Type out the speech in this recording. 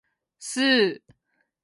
スー